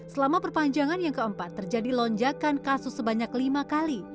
selama perpanjangan yang keempat terjadi lonjakan kasus sebanyak lima kali